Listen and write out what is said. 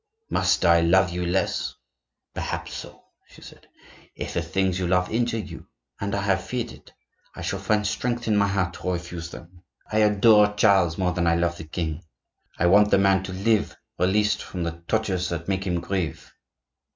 "Must I love you less?" "Perhaps so," she said. "If the things you love injure you—and I have feared it—I shall find strength in my heart to refuse them. I adore Charles more than I love the king; I want the man to live, released from the tortures that make him grieve."